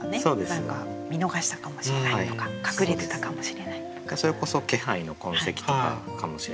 何か見逃したかもしれないとか隠れてたかもしれないとか。